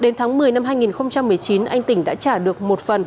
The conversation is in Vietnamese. năm hai nghìn một mươi chín anh tỉnh đã trả được một phần